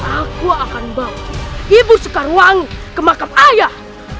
aku akan bawa ibu sekarwangi ke makam ayah